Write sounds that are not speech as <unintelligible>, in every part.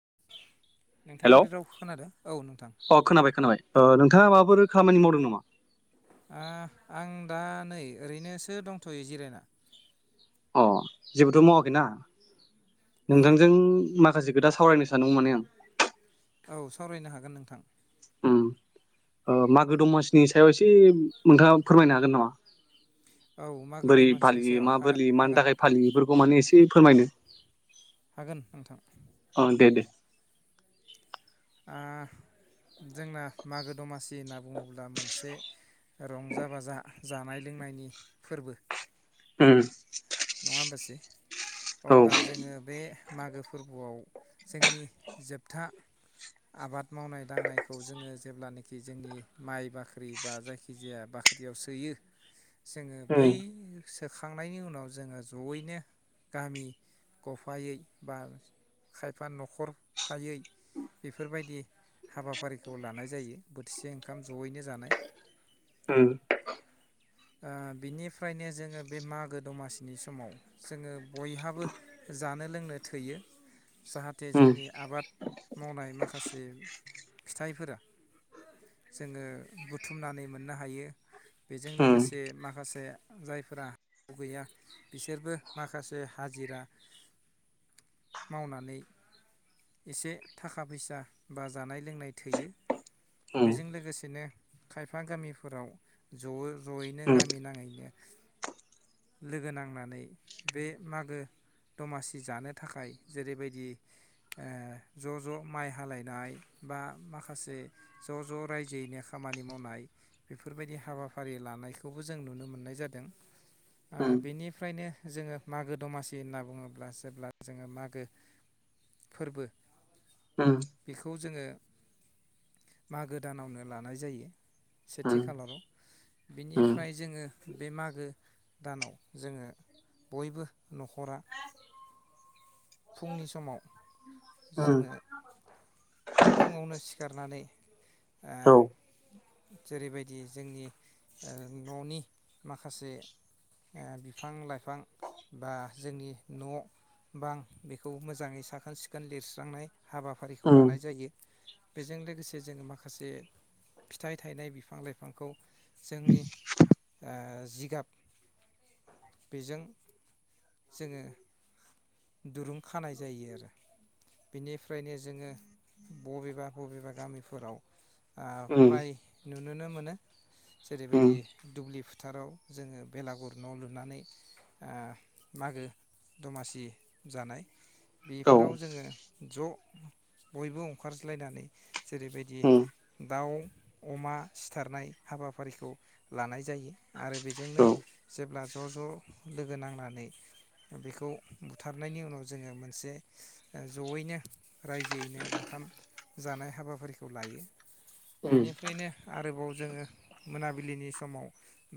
<inaudible> नोंथाङा हेलौ आंनि रावखौ खोनादों? औ नोंथां। अ खोनाबाय खोनाबाय ओ नोंथाङा माबाफोर खामानि मावदों नामा? आ आं दा नै ओरैनोसो दंथ'यो जिरायना। अ' जेबोथ' मावाखैना? ओहो नोंथांजों माग खासे खोथा सावरायनो सानदोंमोन माने आं। औ सावरायनो हागोन नोंथां। उम ओ मागो दमासिनि सायाव एसे नोंथाङा फोरमायनो हागोन नामा? औ मागो बोरै दमासिनि सायाव फालियो मा हागोन बोरलि मानि हागोन थाखाय फालियो बेफोरखौ माने एसे इ फोरमायनो हागोन नोंथां। अ दे दे आ जोंना मागो दमासि होनना बुङोब्ला मोनसे रंजा बाजा जानाय लोंनायनि फोरबो। उम। नङा होनबासै? औ अब्ला जोङो बे मागो फोरबोआव जोंनि जोबथा आबाद मावनाय दांनायखौ जोङो जेब्लानाखि जोंनि माइ बाख्रि बा जायखि जाया बाख्रियाव सोयो जोङो उम बै सोखांनायनि उनाव जोङो जयैनो गामि ग'फायै बा खायफा न'खर फायै बेफोरबायदि हाबाफारिखौ लानाय जायो बोथिसे ओंखाम जयैनो जानाय। उम। ओ बिनिफ्रायनो जोङो बे मागो दमासिनि समाव जोङो बयहाबो जानो लोंनो थोयो। जाहाथे उम जोंनि आबाद मावनाय माखासे फिथाइफोरा जोङो बुथुमनानै मोननो हायो बेजों लोगोसे से उम माखासे जायफोरा हा हु गैया बिसोरबो माखासे हाजिरा मावनानै एसे थाखा फैसा बा जानाय लोंनाय थोयो उम बेजों लोगोसेनो खायफा गामिफोराव ज' ज'यैनो उम गामि नाङैनो लोगो नांनानै बे मागो दमासि जानो थाखाय जेरैबायदि ओ ज' ज' माइ हालायनाय बा माखासे ज' ज' रायजोयैनो खामानि मावनाय बेफोरबायदि हाबाफारि लानायखौबो जों नुनो मोननाय जादों। ओ बेनिफ्रायनो जोङो मागो दमासि होनना बुङोब्ला जेब्ला जोङो मागो फोरबो उम बेखौ जोङो मागो दानावनो लानाय जायो सेथि उम खालाराव उम बिनिफ्राय जोङो बे मागो दानाव जोङो बयबो न'खरा फुंनि समाव जोङो फुङावनो सिखारनानै ओ औ जेरैबायदि जोंनि ओ न'नि माखासे ओ बिफां लाइफां बा जोंनि न' बां बेखौ मोजाङै साखोन सिखोन लिरस्रांनाय हाबाफारिखौ उम लानाय जायो। बेजों लोगोसे जोङो माखासे फिथाइ थायनाय बिफां लाइफांखौ जोंनि ओ जिगाब बेजों जोङो दुरुं खानाय जायो आरो बेनिफ्रायनो जोङो बबेबा बबेबा गामिफोराव ओ उम फ्राय नु नुनो मोनो उम जेरैबायदि दुब्लि फोथाराव जोङो बेलागुर न' लुनानै ओ मागो दमासि जानाय औ उम औ बेफोराव जोङो ज' बयबो ओंखारज्लायनानै जेरैबायदि उम दाउ अमा सिथारनाय हाबाफारिखौ लानाय जायो आरो बेजोंनो जेब्ला ज' ज' लोगो नांनानै बेखौ बुथारनायनि उनाव जोङो मोनसे जयैनो रायजोयैनो ओंखाम जानाय हाबाफारिखौ लायो बेनिफ्रायनो आरोबाव जोङो मोनाबिलिनि समाव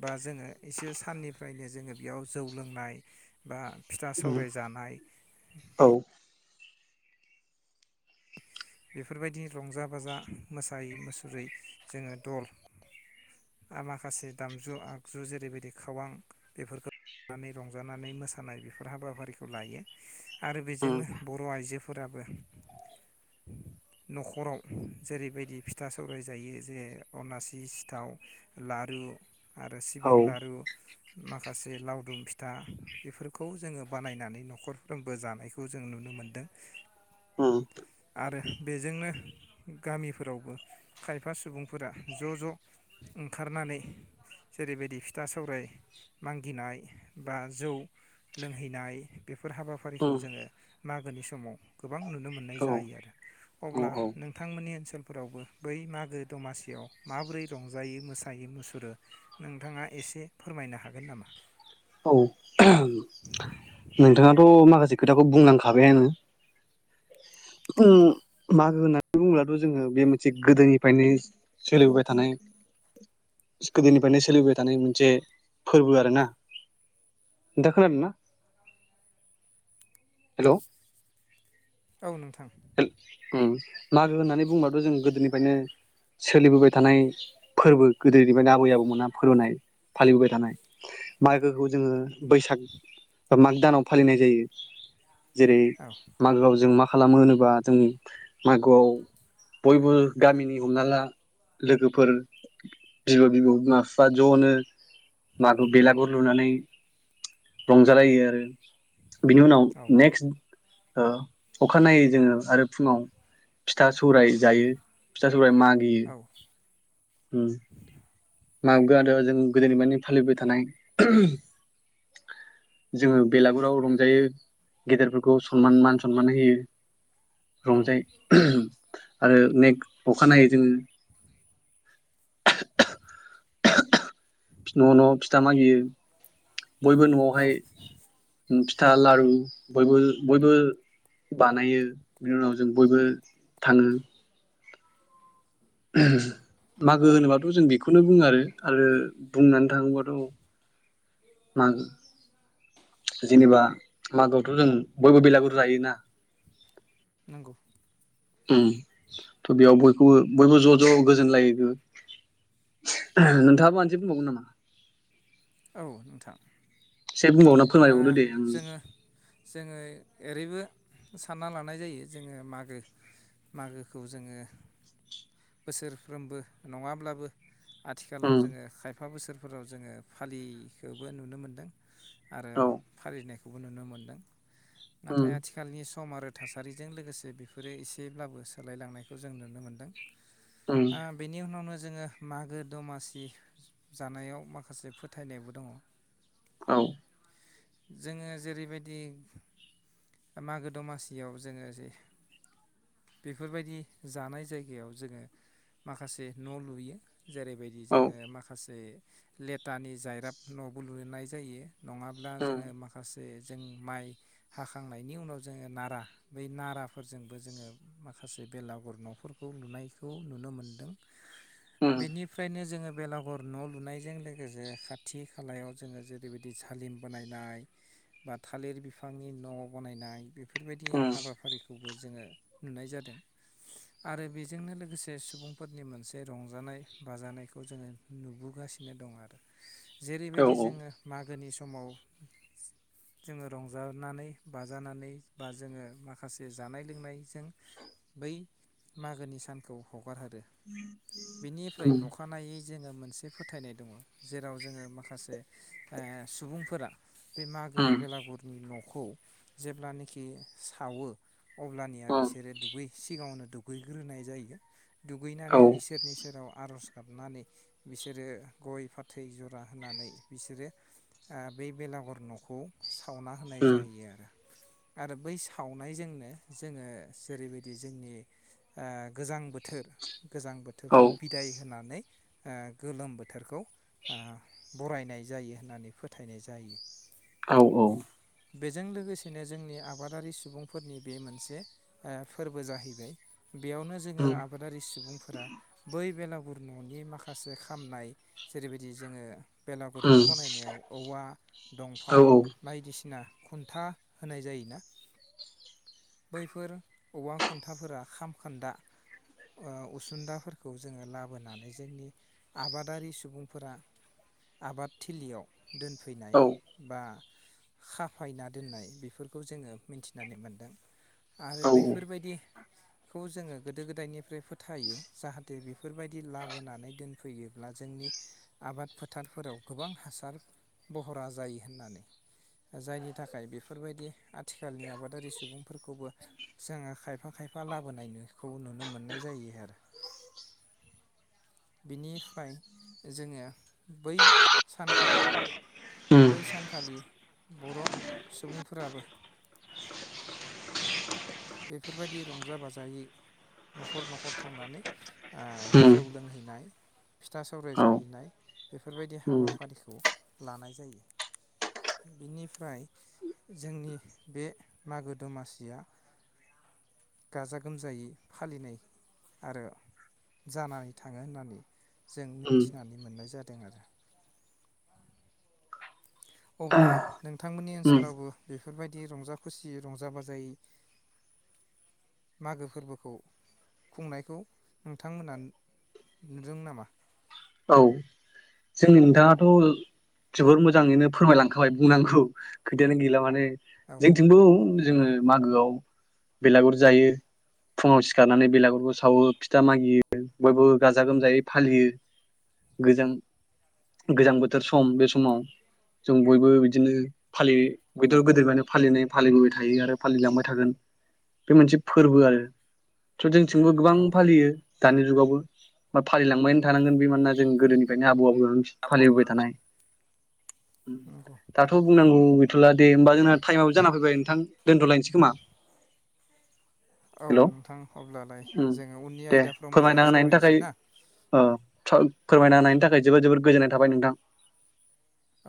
बा जोङो एसे साननिफ्रायनो जोङो बेयाव जौ लोंनाय बा फिथा उम सावराय जान नाय औ बे बेफोरबायदि रंजा बाजा मोसायै, मुसुरै जोङो दल आरो माखासे दामजु आगजु जेरैबायदि खावां बेफोरखौ दामनानै रंजानानै मोसानाय बेफोर हाबाफारिखौ लायो आरो उम बेजोंनो बर' आइजोफोराबो न'खराव जेरैबायदि फिथा सौराय जायो जे अनासि, सिथाव, लारु आरो सिबिं औ लारु माखासे लावदुम फिथा बेफोरखौ जोङो बानायनानै न'खरफ्रोमबो जानायखौ जों नुनो मोनदों। उम आरो बेजोंनो गामिफोरावबो खायफा सुबुंफोरा ज' ज' ओंखारनानै जेरैबायदि फिथा सौराय मागिनाय बा जौ लोंहैनाय बे फोर हाबाफारिखौ उम जोङो मागोनि समाव गोबां नुनो मोननाय औ जायो। औ अब्ला नोंथांमोननि ओनसोलफोरावबो बै मागो दमासियाव माबोरै रंजायो मोसायो मुसुरो नोंथाङा एसे फोरमायनो हागोन नामा? औ <unintelligible> नोंथाङाथ' माखासे खोथाखौ बुंलांखाबायानो ओ मागो होननानै बुङोब्लाथ' जोङो बे मोनसे गोदोनिफ्रायनो सोलिबोबाय थानाय गोदोनिफ्रायनो सोलिबोबाय थानाय मोनसे फोरबो आरो ना नोंथां खोनादों ना? हेलौ। औ नोंथां। ओम मागो होननानै बुंबाथ' जों गोदोनिफ्रायनो सोलिबोबाय थानाय फोरबो गोदोनिफ्रायनो आबै आबौमोना <unintelligible> फालिबोबाय थानाय मागोखौ जोङो बैसाग बा माग दानाव फालिनाय जायो। जेरै औ मागोआवजों मा खालामो नों बा जों मागोआव बयबो गामिनि हमना ला लोगोफोर बिबै बिबौ बिमा बिफा ज'नो मागो बेलागुर लुनानै रंजालायो आरो। बिनि उनाव औ नेकस्ट ओ अखानायै जोङो आरो फुङाव फिथा सौराय जायो फिथा सौराय मागियो औ ओम। मागोयाथ' जों गोदोनिफ्रायनो फालिबाय थानाय जोङो बेलागुराव रंजायो गेदेरफोरखौ सनमान मान सनमान होयो। रंजायो। <unintelligible> आरो नेक अखानायैै जोङो <unintelligible> न' न' फिथा मागियो। बयबो औ न'आवहाय <unintelligible> फिथा लारु बयबो बयबो बानायो बेनि उनाव जों बयबो थाङो। <unintelligible> मागो होनोबाथ' जों बेखौनो बुङो आरो आरो बुंनानै थाङो बाथ' मागो जेनेबा मागोआवथ' जों बयबो बेलागुर जायोना। नांगौ <inaudible> ओम थ' बेयाव बयखौबो बयबो ज' ज' गोजोनलायो नोंथाङा <unintelligible> नामा? औ नोंथां। एसे बुंबावना ओ फोरमायबावदो दे आं जोङो जोङो। ओरैबो सानना लानाय जायो जोङो मागो मागोखौ जोङो बोसोरफ्रोमबो नङाब्लाबो आथिखालाव उम जोङो खायफा बोसोर। फोराव जोङो। फालिखोबो नुनो मोनदों। आरो औ फालिनाय खौबो नुनो मोनदों। उम नाथाय आथिखालनि। सम आरो थासारिजों लोगोसे बेफोरो एसेब्लाबो सोलायलांनायखौ जों नुनो मोनदों। उम ओ बेनि उनावनो। जोङो मागो दमासि जानायाव माखासे। फोथायनायबो दङ। औ जोङो जेरैबायदि, मागो दमासियाव जोङो जे, बेफोरबायदि जानाय जायगायाव जोङो माखासे न' लुयो। जेरै बायदि औ जोङो माखासे लेटानि जायराब न'बो लुनाय जायो नङा ब्ला उम जोङो माखासे जे जों माइ हाखांनायनि उनाव जोङो नारा बै नाराफोरजोंबो जोङो माखासे बेलागुर न'फोरखौ लुनायखौ नुनो मोनदों। उम बेनिफ्रायनो जोङो बेलागुर न' लुनायजों लोगोसे खाथि खालायाव जोङो जेरैबायदि जालिम बानायनाय बा थालिर बिफांनि न' बनायनाय बे बेफोर बायदि उम हाबाफारिखौबो जोङो नुनाय जादों आरो बेजोंनो लोगोसे सुबुंफोरनि मोनसे रंजानाय बाजानायखौ जोङो नुबोगासिनो दं आरो। जेरै औ बायदि जोङो मागोनि स समाव जोङो रंजानानै बाजानानै बा जोङो माखासे जानाय लोंनायजों बै मागोनि सानखौ हगारहरो। बेनिफ्राय उम अखानायै जोङो मोनसे फोथायनाय दङ जेराव जोङो माखासे ओ सुबुंफोरा बे मागो उम बेलागुरनि न' खौ जेब्लानाखि सावो अब्लानिया उम बिसोरो दुगै सिगाङावनो दुगैग्रोनाय जायो। औ दुगैनानै इसोरनि सेराव आर'ज गाबनानै बिसोरो गय फाथै जरा होनानै बिसोरो बै बेलागर न'खौ सावना होनाय उम जायो आरो। आरो बै सावनायजोंनो जोङो जेरैबायदि जोंनि ओ गोजां बोथोर गोजां बोथोरखौ बिदाय होनानै ओ गोलोम बोथोरखौ ओ बरायनाय जायो होननानै फो थायनाय जायो। औ औ। बेजों लोगोसेनो जोंनि आबादारि सुबुंफोरनि बे मोनसे ओ फोरबो जाहैबाय। बेयावनो जोङो उम आबादारि सुबुंफोरा बै बेला गुर न'नि माखासे खामनाय जेरैबायदि जोङो बेलागुर न' उम बानायनायाव औवा दंफां औ बायदिसिना खुन्था होनाय जायोना? बैफोर औवा खुन्थाफोरा खाम खोन्दा ओ उसुदाफोरखौ जोङो लाबोनानै जोंनि आबादारि सुबुंफोरा आबाद थिलियाव दोनफैनाय औ बा खाफायना दोननाय बेफोरखौ जोङो मिनथिनानै मोनदों आरो औ औ बैफोरबायदि खौ जोङो गोदो गोदायनिफ्राय फोथायो जाहाथे बेफोरबायदि लाबोनानै दोनफैयोब्ला जोंनि आबाद फोथारफोराव गोबां हासार बहरा जायो होननानै जायनि थाखाय बेफोरबायदि आ थिखालनि आबादारि सुबुंफोरखौबो जोङो खायफा खायफा लाबोनायनोखौ नुनो मोननाय जायो आरो बिनिफाय जोङो बै सानखालि उम बै सानखालि बर' सुबुंफोराबो बेफोरबायदि रंजा बाजायै नख'र नख'र थांनानै ओ उम जौ लोंहैनाय फिथा सौराय औ जाहैनाय बेफोरबायदि उम हाबाफारिखौ लानाय जायो बिनिफ्राय जोंनि बे मागो दमासिया गाजा गोमजायै फालिनाय आरो जानानै थाङो होननानै जों उम मिथिनानै मोननाय जा दों आरो अब्ला नोंथांमोननि उम ओनसोलावबो बे फोरबायदि रंजा खुसि रंजा बाजायै मागो फोरबोखौ खुंनायखौ नोंथांमोना नुदों नामा? औ जोंनि नोंथाङाथ' जोबोर मोजाङैनो फोरमायलांखाबाय बुंनांगौ खोथायानो गैला माने औ जोंथिंबो जोङो मागोआव बेलागुर जायो फुङाव सिखारनानै बेलागुरखौ सावो फिथा मागियो बयबो गाजा गोमजायै फालियो गोजां गोजां बोथोर सम बे समाव जों बयबो बिदिनो फालि गोदो गोदायफायनो फालिनाय फालिबोबाय थायो आरो फालिलांबाय थागोन बे मोनसे फोरबो आरो थ' जों थिंबो गोबां औ फालियो दानि जुगावबो बा फालिलांबायानो थानांगोन बे मानोना जों गोदोनिफ्राय आबौ <unintelligible> फालिबोबाय थानाय नंगौ दाथ' बुंनांगौ थला दे होमबा जोंना टाइमाबो जाना फैबाय नोंथां दोन्थ'लायनोसै खोमा हेल' औ नोंथां अब्लालाय उम जोङो उननि दे आयदाफ्राव फोरमायना मोजाङै होनायनि थाखाय सावरायनोसै ना ओ फोरमायना होनायनि थाखाय जोबोद जोबोद गोजोननाय थाबाय नोंथां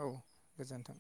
औ गोजोन्थों